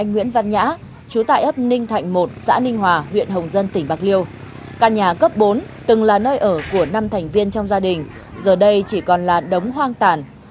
đây là hiện trường vụ cháy ra vào ngày hai mươi ba tháng hai năm hai nghìn hai mươi tại huyện hồng dân tỉnh bạc liêu căn nhà cấp bốn từng là nơi ở của năm thành viên trong gia đình giờ đây chỉ còn là đống hoang tản